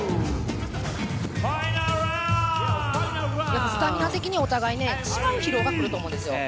やっぱスタミナ的にお互いにね違う疲労がくると思うんですよ。